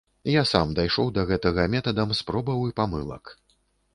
Я сам дайшоў да гэтага метадам спробаў і памылак.